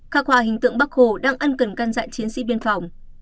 khắc họa hình tượng bác hồ đang ăn cần căn dạng chiến sĩ biên phòng